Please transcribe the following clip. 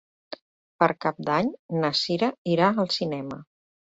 Per Cap d'Any na Sira irà al cinema.